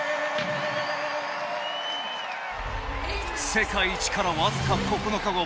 世界一から僅か９日後。